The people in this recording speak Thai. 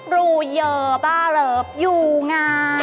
รูเยอะบ้าเลิฟอยู่น่ะ